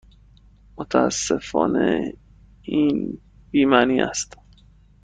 متاسفانه این بی معنی است.